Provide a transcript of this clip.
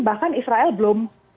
bahkan israel belum